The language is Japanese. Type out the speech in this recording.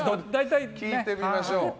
聞いてみましょう。